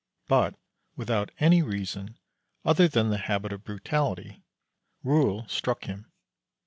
But, without any reason other than the habit of brutality, Rol struck him.